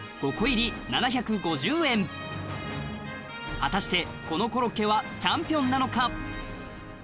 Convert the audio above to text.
果たしてこのコロッケはチャンピオンなのか？